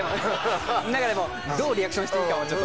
何かでもどうリアクションしていいかもちょっと。